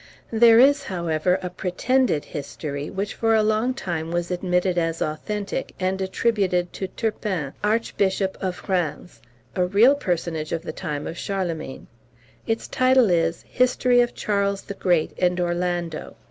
There is, however, a pretended history, which for a long time was admitted as authentic, and attributed to Turpin, Archbishop of Rheims, a real personage of the time of Charlemagne. Its title is "History of Charles the Great and Orlando."